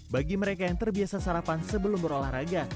bagi mereka yang terbiasa sarapan sebelum berolahraga